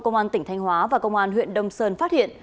công an tỉnh thanh hóa và công an huyện đông sơn phát hiện